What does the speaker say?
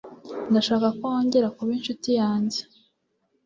Ndashaka ko wongera kuba inshuti yanjye.